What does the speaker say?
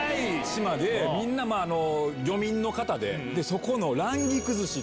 島でみんな漁民の方でそこの。